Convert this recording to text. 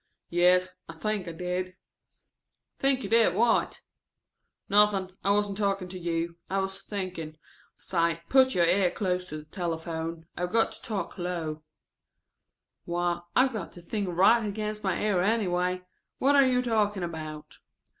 "Yes, I think I did." ("Think you did what?") "Nothing. I wasn't talking to you. I was thinking. Say, put your ear close to the telephone. I've got to talk low." ("Why, I have got the thing right against my ear anyway. What are you talking about?")